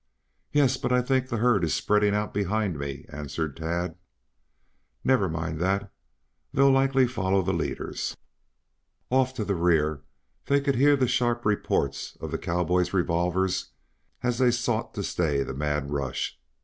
"Yes. But I think the herd is spreading out behind me," answered Tad. "Never mind that. They'll likely follow the leaders." Off to the rear they could hear the sharp reports of the cowboys' revolvers as they sought to stay the mad rush.